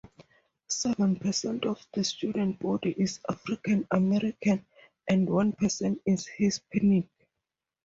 Seven percent of the student body is African American and one percent is Hispanic.